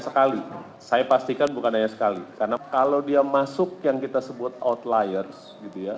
sekali saya pastikan bukan hanya sekali karena kalau dia masuk yang kita sebut outliers gitu ya